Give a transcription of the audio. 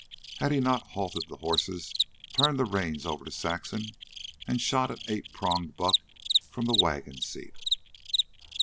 Had he not halted the horses, turned the reins over to Saxon, and shot an eight pronged buck from the wagon seat?